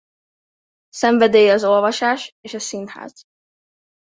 Szenvedélye az olvasás és a színház.